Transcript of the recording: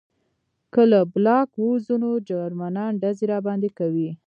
که له بلاک ووځو نو جرمنان ډزې راباندې کوي